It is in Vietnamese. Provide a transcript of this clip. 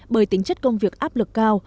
bởi tính chất công việc áp lực cao